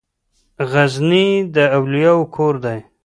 غزني د اولياوو کور دی.